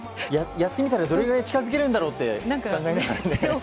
やってみたらどれぐらい近づけるんだろうって考えながらね。